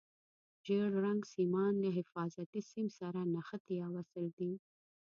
ژېړ رنګ سیمان له حفاظتي سیم سره نښتي یا وصل دي.